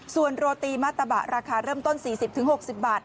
ส่วนโรตีมาตะบะราคาเริ่มต้น๔๐๖๐บาท